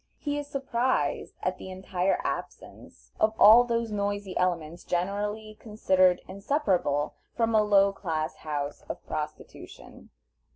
He is surprised at the entire absence of all those noisy elements generally considered inseparable from a low class house of prostitution.